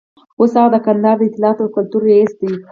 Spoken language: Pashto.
اوس هغه د کندهار د اطلاعاتو او کلتور رییس دی.